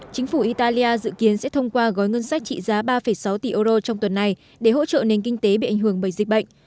chính phủ italia dự kiến sẽ thông qua gói ngân sách trị giá ba sáu tỷ euro trong tuần này để hỗ trợ nền kinh tế bị ảnh hưởng bởi dịch bệnh